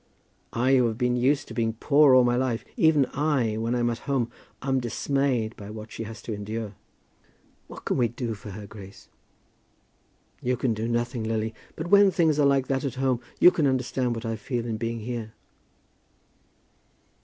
I who have been used to being poor all my life, even I, when I am at home, am dismayed by what she has to endure." "What can we do for her, Grace?" "You can do nothing, Lily. But when things are like that at home you can understand what I feel in being here."